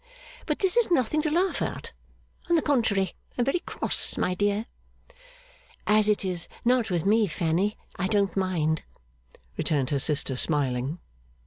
But this is nothing to laugh at. On the contrary, I am very cross, my dear.' 'As it is not with me, Fanny, I don't mind,' returned her sister, smiling.